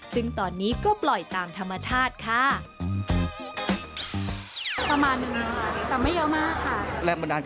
ซึ่งตอนนี้ก็ปล่อยตามธรรมชาติค่ะ